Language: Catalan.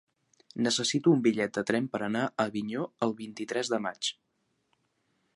Necessito un bitllet de tren per anar a Avinyó el vint-i-tres de maig.